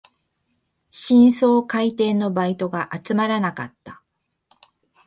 新装開店のバイトが集まらなかった